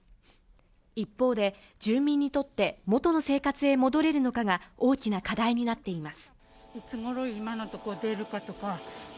一方で住民にとって、もとの生活へ戻れるのかが大きな課題になっています。